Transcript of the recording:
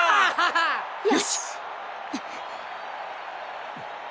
よし！